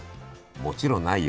もちろんないよ。